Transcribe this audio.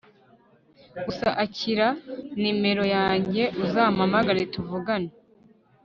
gusa akira nimero yanjye uzampamagara tuvugane